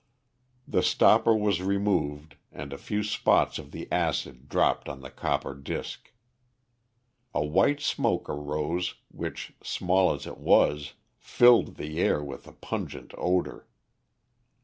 The stopper was removed and a few spots of the acid dropped on the copper disc. A white smoke arose, which, small as it was, filled the air with a pungent odor.